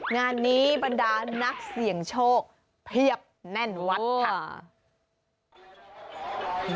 งานนี้บรรดานักเสี่ยงโชคเพียบแน่นวัดค่ะ